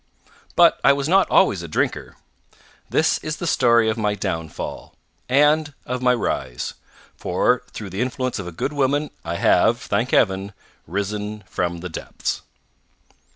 But I was not always a drinker. This is the story of my downfall and of my rise for through the influence of a good woman, I have, thank Heaven, risen from the depths.